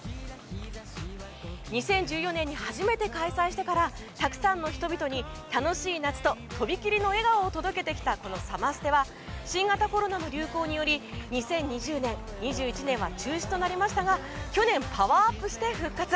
２０１４年に初めて開催してからたくさんの人々に楽しい夏ととびきりの笑顔を届けてきたこのサマステは新型コロナの流行により２０２０年、２１年は中止となりましたが去年、パワーアップして復活。